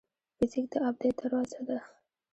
فزیک د ابدیت دروازه ده.